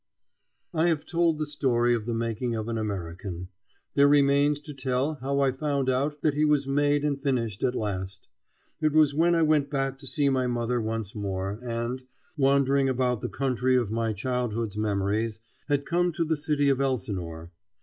I have told the story of the making of an American. There remains to tell how I found out that he vas made and finished at last. It was when I went back to see my mother once more and, wandering about the country of my childhood's memories, had come to the city of Elsinore.